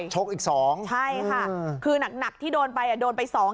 ชกอีกสองใช่ค่ะคือหนักที่โดนไปโดนไปสอง